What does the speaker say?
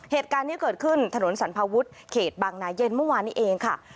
เหตุการณ์นี้เกิดขึ้นถนนสรรพาวุฒิเขตบางนาเย็นเมื่อวานนี้เองค่ะ